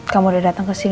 kamu udah dateng kesini